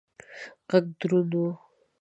غږ دروند و.